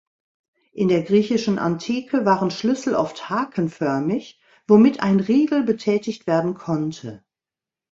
In der griechischen Antike waren Schlüssel oft hakenförmig, womit ein Riegel betätigt werden konnte.